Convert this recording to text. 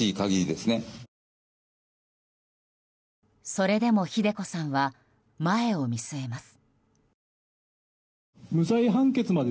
それでも、ひで子さんは前を見据えます。